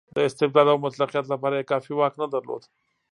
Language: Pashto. د استبداد او مطلقیت لپاره یې کافي واک نه درلود.